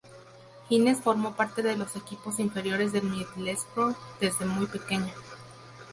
Hines formó parte de los equipos inferiores del Middlesbrough desde muy pequeño.